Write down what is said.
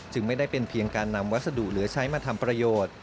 ไม่ได้เป็นเพียงการนำวัสดุเหลือใช้มาทำประโยชน์